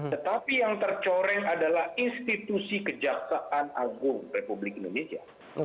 tetapi yang tercoreng adalah institusi kejaksaan agung republik indonesia